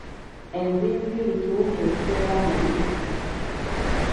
Enziiziiri kiwuka ekibeera mu luzzi.